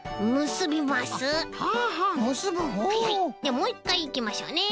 もういっかいいきましょうね。